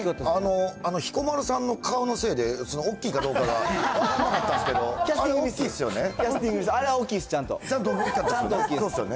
あの彦摩呂さんの顔のせいで、大きいかどうかが分からなかったんですけど、だいぶ大きいですよね。